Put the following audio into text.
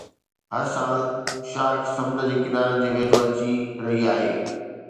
هر سال شارڪ سمنڊ جي ڪناري جي ويجهو اچي رهي آهي